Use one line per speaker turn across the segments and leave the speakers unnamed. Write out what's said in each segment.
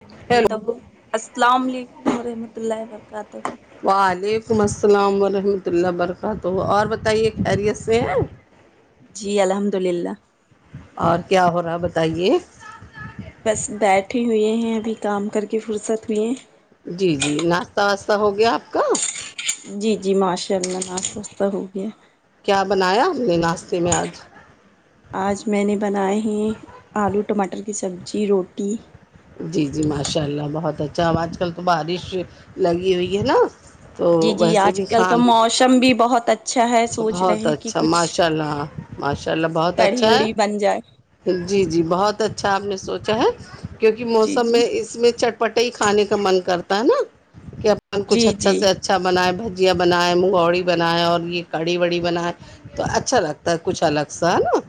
ورحمۃ
ہیلو
اللہ السلام علیکم ورحمۃ اللہ و برکاتہ
وعلیکم السلام ورحمۃ اللہ و برکاتہ اور بتائیے خیریت سے ہیں
جی الحمد للہ
اور کیا ہو رہا ہے بتائیے
بس بیٹھے ہوئے ہیں ابھی کام کر کے فرصت ہوئی
جی جی ناشتہ واشہ ہو گیا آپ کا
جی جی ماشاء اللہ ن سستا ہو گیا
کیا بنایا ہم نے ناشتے میں آج
آج میں نے بنائے ہیں آلو ٹماٹر کی سبزی روٹی
جی جی ماشاء اللہ بہت اچھا آج کل تو بارش لگی ہوئی ہے نا تو
جی جی
ویسے
آج
بھی
کل کا موسم بھی بہت اچھا ہے
اچھا
سوچ رہے
بہت
ہیں کہ
اچھا
کچھ
ماشاء اللہ ماشاء اللہ بہت
کڑھی
اچھا
اڑی بن جائے
ہے جی جی بہت اچھا آپ نے سوچا ہے کیونکہ
جی
موسم
جی
میں اس میں چٹ پٹئی کھانے کا من کرتا ہے نا کہ کچھ
جی
اچھا
جی
سے اچھا اچھا بنائائے بھجیا بنائیں منگوڑی بنائائے اور یہ کڑی وڑی بنائے تو اچھا لگتا ہے کچھ الگ سا ہے نا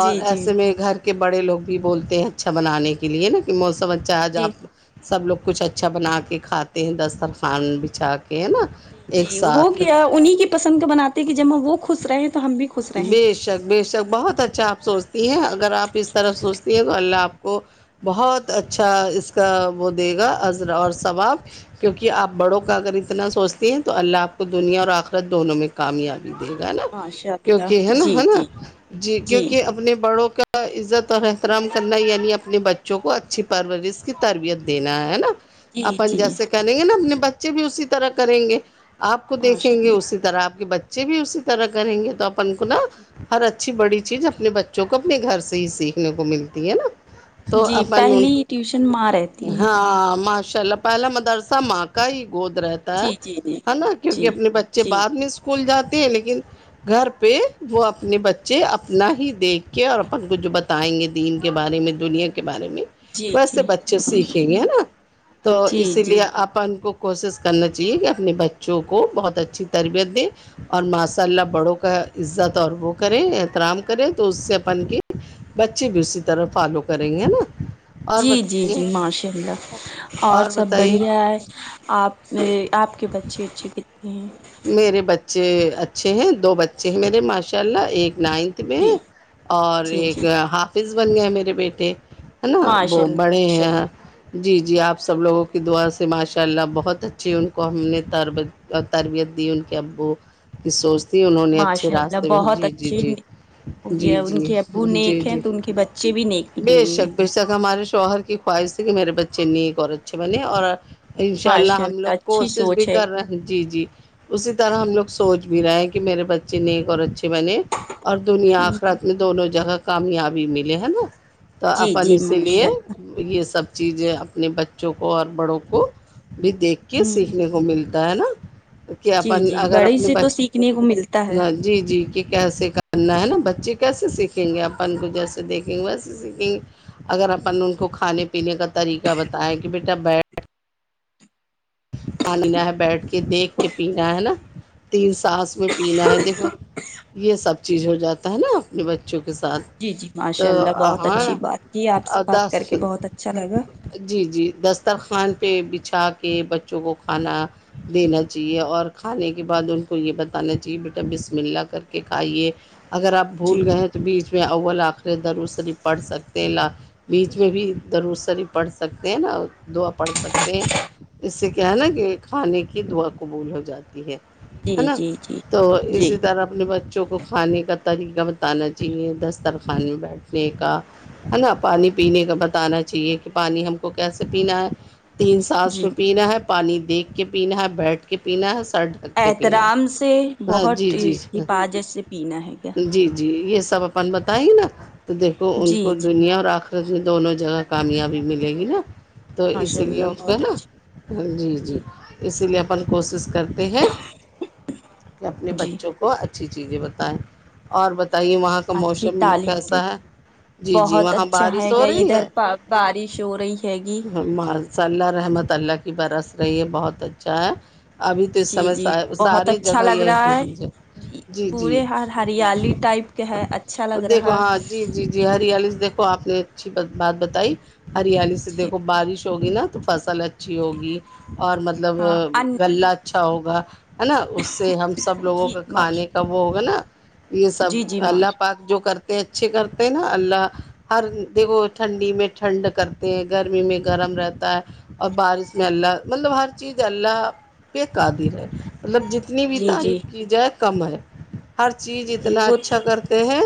جی جی
ایسے میں گھر کہ بڑے لوگ بھی بولتے ہیں اچھا بنانے کے لیے نا کہ موسم اچھا ہے ج
جی
آپ سب لوگ کچھ اچھا بنا کے کھاتے ہیں دسترخوان بچھا کے ہے نا
جی
ایک
جی ہو
ساتھ
گیا انہیں کی پسند کا بناتے کہ جب ہم وہ خوش رہے ہیں تو ہم بھی خوش رہیں
بے شک بے شک بہت اچھا آپ سوچتی ہیں اگر آپ اس طرف سوچتی ہیں تو اللہ آپ کو بہت اچھا اس کا وہ دے گا عذر اور ثواب کیونکہ آپ بڑوں کا اگر اتنا سوچتے ہیں تو اللہ آپ کو دنیا اور آخرت دونوں میں کامیابی دے گا نا
ہاںشا
کیونکہ ہے نا ہے نا جی کیونکہ اپنے بڑوں کا عزت اور احترام کرنا یعنی اپنے بچوں کو اچھی پرورش کی تربیت دینا ہے نا
جی
اپن
جی
جیسے کریں گے نا اپنے بچے بھی اسی طرح کریں گے آپ کو
ماشاء
دیکھیں گے
اللہ
اسی طرح آپ کے بچے بھی اسی طرح کریں گے تو اپن کو نہا
جی
ہر اچھا اچھی بڑی چیز اپنے بچوں کو اپنے گھر سے ہی سیکھنے کو ملتی ہے نا تو
جی
اپن
پہلی ٹیوشن ماں رہتی ہے
ہاں ماشاء اللہ پہلا مدرسہ ماں کا ہی گود رہتا
جی جی جی
ہے نا کیک اپنے بچے
جی جی
بعد میں کول جاتے ہیں لیکن گھر پہ وہ اپنے بچے اپنا ہی دیکھ کے اور اپن کو جو بتائیں گے دین کے بارے میں دنیا بارے میں
جی
ویسے
جی
بچے سیکھیں گے نا تو
جی
اسی
جی
لیے آپ ان کو کوشش کرنا چاہیے کہ اپنے بچوں کو بہت اچھی تربیت دیں اور ماشاء اللہ بڑوں کا عزت اور وہ کریں احترام کرے تو اس سے اپن کی بچے بھی اسی طرح فالو کریں گے نا اور
جی جی
بتائیے
جی ماشاء اللہ اور سب بڑھیا ہے آپ مے آپ کے بچے اچھے کتے ہیں
میرے بچے اچھے ہیں دو بچے ہیں میرے ماشاء اللہ ایک نائنتھ میں
جی
اور
جی
ایک
جی
حافظ بن گئے میرے بیٹے ہے نا
ماشاء
وہ
اللہ
بڑے
ماشاء اللہ
ہیں جی جی آپ سب لوگوں کی دعا سے ماشاء اللہ بہت اچھیے ان کو ہم نے ترب تربیت دی ان کے ابو کی سوچ تھی انہوں نے اچھے
ماشاء اللہ
راستے میں
بہت
جی جی
اچھے
جی
ہو
جی
گیا ان کے
جی
ابو
جی
نیک ہیں
جی
تو ان کے بچے بھی نیک
بے
نکلیں گے
شک بے شک ہمارے شوہر کی خواہش ت کہ میرے بچے نیک اور اچھے بنے اور ان شاء اللہ
ماشاء
ہم لوگ
اچھی
کوشش بھی
سوچ ہے
کر رہے ہیں جی جی [unintelligible] اسی طرح ہم لوگ سوچ بھی رہے ہیں کہ میرے بچے نیک اور اچھے بنے اور دنیا آخرت میں دونوں جگہ کامیابی ملے ہے نا تو
جی
اپن
جی
اسی لیے
ماشاء اللہ
یہ سب چیزیں اپنے بچوں کو اور بڑوں کو بھی دیکھ کے
ہ
سیکھنے کو مل [unintelligible] ہے نا کہ
جی
اپن
جی
اگر
بڑی
اپنے
سے تو
بچ
سیکھنے کو ملتا ہے
جی جی کہ کیسے کر پنا ہے نا بچے کیسے سیکھیں گے اپن کو جیسے دیکھیں گے ویسے سیکھیں گے اگر اپن ان کو کھانے پینے کا طریقہ بتائیں کہ بیٹا بیھ آنینا ہے بیٹھ کے دیکھ کے پینا ہے نا تین ساس میں پینا ہے دیکھو یہ سب چیز ہو جاتا ہے نا اپنے بچوں کے ساتھ
جی جی
تو
ماشاء اللہ بہت
ہاں
اچھی بات کی آپ سے
اور
بات کر
دس
کے بہت اچھا لگا
جی جی دسترخوان پہ بچھا کے بچوں کو کھانا دینا چاہیے اور کھانے کے بعد ان کو یہ بتانا چاہیے بیٹا بسم اللہ کر کے کھائیے اگر آپ
جی
بھول گئے تو بیچ میں اول آخر درو ص نہیںف پڑھ سکتے ہیں بیچ میں بھی درور سریف پڑھ سکتے ہیں نا دعا پڑھ سکتے ہیں اس سے کہ ن کہ کھانے کی دعا قبول ہو جاتی ہے ہے
جی
نا
جی جی
تو
جی
اسی طرح اپنے بچوں کو کھانے کا طریقہ بتانا چاہیے دسترخانے میں بیٹھنے کا ہے نا پانی پینے کا بتانا چاہیے کہ پانی ہم کو کیسے پینا ہے تین سانس
جی
میں پینا ہے پانی دیکھ کے پینا ہے بیٹھ کے پینا ہے [unintelligible] ڈھک کے پینینا
احترام سے
ہے ہاں جی
بہت
جی ہ
حفاظت سے پینا ہے کیا
جی جی یہ سب اپنے اپن بتائیں نا تو دیکھو ان
جی
کو
جی
دنیا اور ر دونوں جگہ کامیابی ملے گی نا تو
ماشاء
اسی لیے
اللہ
اس کو
بہت
نا
اچھی
جی جی اسی لیے اپن کوشش کرتے ہیں کہ اپنے
جی
بچوں کو [unintelligible] وہ اچھی چیزیں بتائیں اور بتائیے وہاں کا
اچھی
موسم
تعلیم دے
کیسا ہے جی جی
بہت
وہاں
اچھا
بارش ہو
ہےگا
رہی
ادھر
ہے
بارش ہو رہی ہےگی
ما صلی اللہ رحمت اللہ کی برس رہیے بہت اچھا ہے ابھی تو اس
جی
سمے
جی
س
بہت
ساری
اچھا
جگہ
لگ
یہی
رہا
ہے لیجیے
جی پورے ہر ہریالی ٹائپ کے ہے اچھا لگ
دیکھو
رہا
ہاں جی جی جی ہریالی سے دیکھو آپ نے اچھی بات بتائی ہریالی سے
جی
دیکھو بارش ہوگی نا تو فصل اچھی
جی
ہوگی اور مطلب
ہاں ان
لہ اچھا ہوگا ہے نا اس سے ہم سب لوگوں
جی
کا
معاش
کھانے کا وہ ہوگا نا یہ سب
جی جی
اللہ
معاش
پاک جو کرتے اچھے کرتے ہیں نا اللہ ہر دیکھو ٹھنڈی میں ٹھنڈ کرتے ہیں گرمی میں گرم رہتا ہے اور بارش اس اللہ مطلب ہر چیز اللہ پہ قادر ہے مطلب جتنا اتنی بھی
جی جی
تعریف کی جائے کم ہے ہر چیز
جی جی
اتنا
وہ
اچھا کرتے ہیں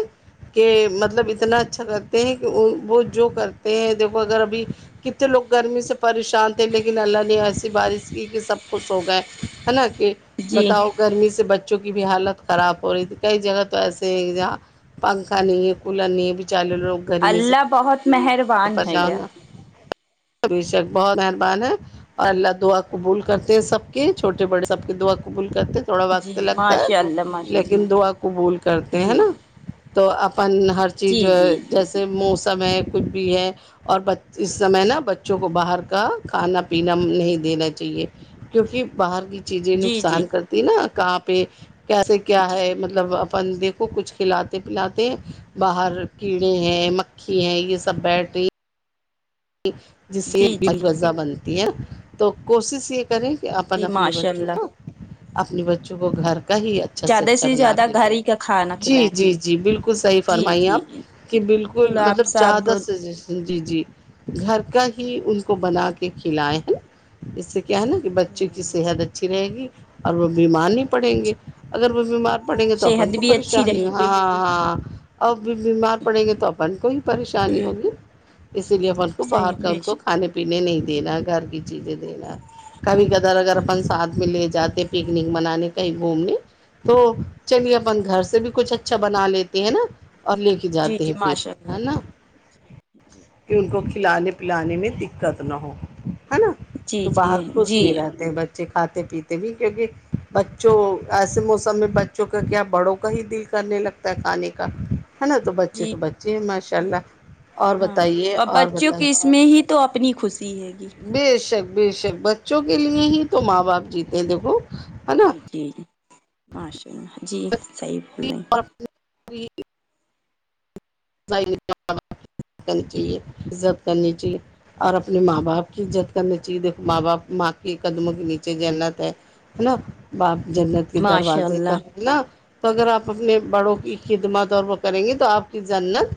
کہ مطلب اتنا اچھا کرتے ہیں کہ وہ جو کرتے ہیں دیکھو اگر ابھی کتنے لوگ گرمی سے پریشان لیکن اللہ نے ایسی بارش کی کہ سب خوش ہو گئے ہے نا کہ
جی
بتاؤ گرمی سے بچوں کی بھی حالت خراب ہو رہی تھی کئی جگہ تو ایسے ہیں جہاں پنکھا نہیں ہے کولر نہیں بچارے لوگ
اللہ بہت مہر
جاؤں گابھی شک بہت مہربان ہے اور اللہ دعا قبول کرتے سب کے چھوٹے بڑے سب کے دعا قبول کرتے تھوڑا وقت
جی
لگتا ہے
ماشاء اللہ ماشاء
لیکن
اللہ
دعا قبول کرتے ہیں ہے
جی
نا تو اپن ہر
جی
چیز
جی
جیسے موسم ہے کچھ بھی ہے اور ب اس سمے نا بچوں کو باہر کا کھانا پینا نہیں دینا چاہیے کیونکہ باہر کی چیزیں
جی جی جی
نقصان کرتی نا کہاں پہ کیسے کیا
جی
ہے مطلب مطلب اپن دیکھو کچھ کھلاتے پلاتے باہر کیڑے ہیں مکھی ہیں یہ سپیٹی جس سے
جی جی
زا بنتی ہے تو کوشش یہ کریں کہ اپن
جی
اپنے
ماشاء
بچوں
اللہ
کو اپنے بچوں کو گھر کہی اچھا سے
زیادہ
اچھا بنا
زیادہ
کے
گھر
کے
ہی کا کھانا
جی
کھلائیں
جی جی بالکل صحیح
جی
فرمائیے
جی جی
آپ کہ بالکل
گلاب
مطلب چا
صاحب
دس جے جی جی گھر کا ہی ان کو بنا کے کھلائے ہیں نا اس سے کیا ہے نا کہ بچوں کی صحت اچھی رہے گی اور وہ بیمار نہیں پڑیں گے اگر وہ بیمار پڑیں گے تو اپن
صحت
کو
بھی اچھی
پریشانی
رہے
ہاں
گی
ہاں ا بھی بیمار پڑیں گے تو اپن کو ہی پریشانی ہوگی اس لیے اپن کو باہر
صحیح
کا
بے
ان کو
شک
کھانے پینے نہیں دینا گھر کی چیزیں دینا کبھی کدر اگر اپن ساتھ میں لے جاتے پکنک منانے کہیں گھومنے تو چلیے اپن گھر سے بھی کچھ اچھا بنا لیتے ہیں نا اور لے کے جاتے ہیں پھر
ماشاء
ہے
اللہ
نا
جی جی [unintelligible] [inaudible]
کہ ان کو کھلانے پلانے میں دقت نہ ہو ہے نا
جی
تو
جی
باہر خوش
جی
بھی رہتے ہیں بچے کھاتے پیتے بھی کیونکہ بچوں ایسے موسم میں بچوں کا کیا بڑوں کا ہی دل کرنے لگتا ہے کھانے کا ہے نا تو بچے
جی
تو بچے ماشاء اللہ اور بتائیے اور
بچیوں کی
بتائیے
اس میں ہی تو اپنی خوشی ہے گی
بے شک بے شک بچوں کے لیے ہی تو ماں باپ جیتے ہیں دیکھو نا
جی جی جی ماشاء اللہ جی صحیح بول رہے ہیں
جی کرنی چاہیے عزت کرنی چاہیے اور اپنے ماں باپ کیجت کرنی چاہیے دیکھو ماں باپ ماں کے قدموں کے نیچے جنت ہے ہے نا باپ جنت کے
ماشاء
دروازے تو
اللہ
نا تو اگر آپ اپنے بڑوں کی خدمات اور وہ کریں گی تو آپ کی جنت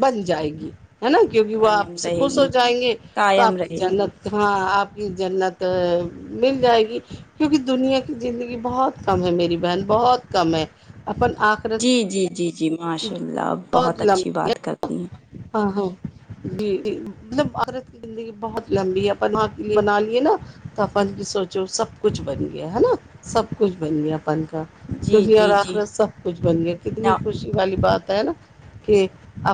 بن جائے گی ہے نا کیونکہ وہ
قائم
آپ سے
رہے
خوش
گی
ہو جائیں گے تو
قائم
آپ کی
رہے گی
جحنت ہاں آپ کی جنت مل جائے گی کیونکہ دنیا کی زندگی بہت کم ہے میری بہن بہت کم ہے اپن آخرت
جی جی جی جی ماشاء اللہ اب بہت اچھی بات کرتی ہیں
ہاں ہاں جی جی مطلب عضرت کی زندگی بہت لمبی ہے اپن آ کے لیے بنا لیے نا تو اپن کی سوچو سب کچھ بن گیا ہے نا سب کچھ بن گیا اپن کا
جی
دلہیا اور
جی جی
آخرت سب کچھ بن گیا کتنی
نہ
خوشی والی بات ہے نا کہ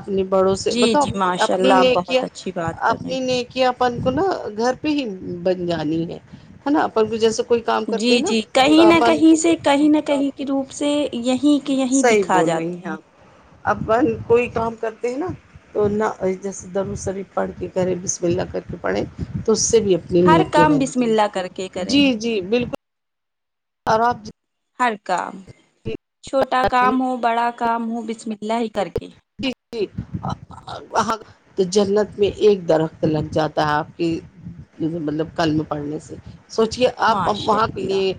اپنے بڑوں سے
جی
بتاؤ
جی ماشاء
اپنی
اللہ آپ
نے کیا
بہت اچھی بات کر رہے
اپنی
ہیں
نے کہپ ان کو نا گھر پہ ہی بن جانی ہے ہے نا اپن کو جیسے کوئی کام کرتے
جی
ہیں نا
جی
تو
کہیں نہ
اپن
کہیں سے کہیں نہ کہیں کے روپ سے یہیں کہ یہیں
صحیح
دکھا
بول رہی
جاتے ہیں
آپ اپن کوئی کام کرتے ہیں نا تو نہ جیسے در و سرف پڑھ کے گھرے بسم اللہ کر کے پڑھیں تو اس سے بھی اپ
ہر
ج کے
کام بسم
بنتی
اللہ کر کے کریں
جی جی بالکل اورب
ہر کام چھوٹا کام ہو بڑا کام ہو بسم اللہ ہی کر کے
جی جی ہ تو جنت میں ایک درخت لگ جاتا ہے آپ کی مطلب قلملم پڑھنے سے سوچے آپ
ماشاء
وہاں کے
اللہ
لیے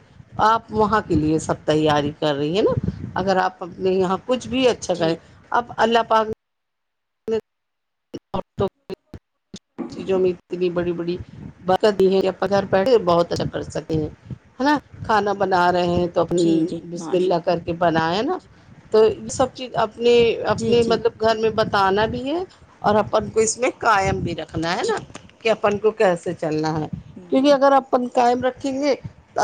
جی
آپ وہاں کے لیے سب تیاری کر رہی ہیں نا اگر آپ اپنے یہاں کچھ بھی اچھا کریں
جی
اب اللہ پاک اور چیزوں میں اتنی بڑی بڑی ب دی کہ گھر بیٹھے بہت اچھا کر سکتے ہیں نا کھانا بنا رہے ہیں تو اپنی
جی جی
بسم اللہ
ماشاء
کر کے بنیا نا تو یہ سب چز اپنے
جی
اپنے
جی
مطلب گھر میں بتانا بھی ہے اور اپن کو اس میں کاائم بھی رکھنا ہے
جی
نا کہ اپن کو کیسے چلنا ہے کیونکہ اگر اپن کائم رکھیں گے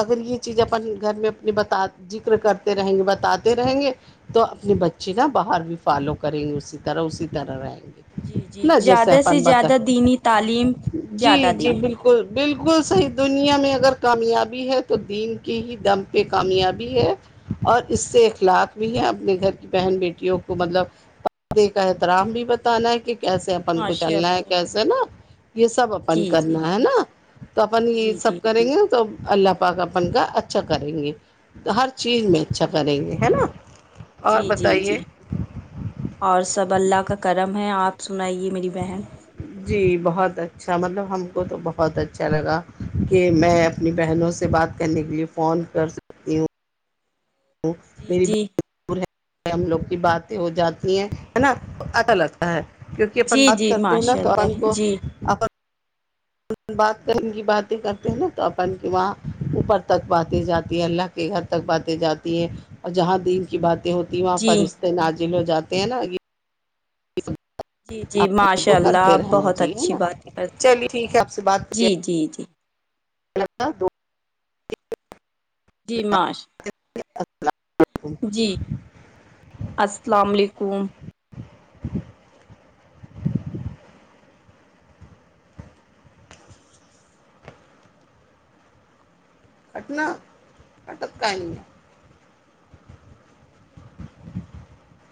اگر یہ چیز اپن گھر میں اپنے بتا ذکر کرتے رہیں گے بتاتے رہیں گے تو اپنے بچے نا باہر بھی فالو کریں گے اسی طرح اسی طرح رہیں گے
جی جی
نا جیسے
زیادہ سے
اپن بتا
زیادہ دینی تعلیم
جی
زیادہ
جی
دیں
بالکل صحیح دنیا میں اگر کامیابی ہے تو دین کے ہی دم پہ کامیابی ہے اور اس سے اخلاق بھی ہیں اپنے گھر کی بہن بیٹیوں کو مطلب دیکھا احترام بھی بتانا ہے کہ کیسے اپن کو
ماشاء
چلنا ہے
اللہ
کیسے نا یہ سب اپن
جی جی
کرنا ہے نا تو اپن یہ
جی جی
سب کریں گے تو اللہ پاکہ پن کا اچھا کریں گے ہر چیز میں اچھا کریں گے ہے نا
جی
اور
جی جی
بتائیے
اور سب اللہ کا کرم ہے آپ سنائیے میری بہن
جی بہت اچھا مطلب ہم کو تو بہت اچھا لگا کہ میں اپنی بہنوں سے بات کرنے کے لیے فون کر
جی جی
میریور ہم لوگ کی باتیں ہو جاتی ہیں ہے نا عطالت کیونکہ اپن
جی
بات
جی
کرتے ہیں نا
ماشاء
توورن
اللہ
کو
جی
اپن بات کہ کی باتیں کرتے ہیں نا تو اپن وہاں اوپر تک باتیں جاتی ہے اللہ کے گھر تک باتیں جاتی ہیں اور جہاں دین کی باتیں ہوتی واں
جی
پرشتے نازل ہو جاتے ہیں نا یہ
جی جی
آپ ان
ماشاء
کو
اللہ
کرتے
آپ
رہنا
بہت
جی ہے
اچھی
نا
باتیں کرتی
چلیے ٹھیک ہے آپ سے بات کیا
جی جی جی
الگ دو [unintelligible]
جی ماش جی السلام علیکم
اٹنا اٹت کانی ہے [unintelligible]